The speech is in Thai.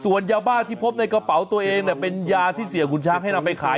ส่วนยาบ้าที่พบในกระเป๋าตัวเองเป็นยาที่เสียขุนช้างให้นำไปขาย